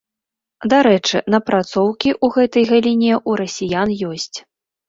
Дарэчы, напрацоўкі ў гэтай галіне ў расіян ёсць.